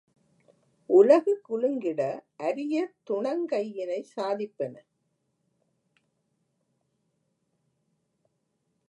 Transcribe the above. உலகு குலுங்கிட அரிய துணங்கையினைச் சாதிப்பன.